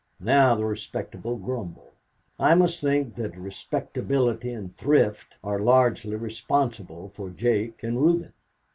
Now the respectable grumble. I must think that respectability and thrift are largely responsible for Jake and Reuben."